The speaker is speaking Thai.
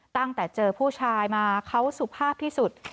ตั้งแต่เจอผู้ชายมาเขาสุภาพที่สุด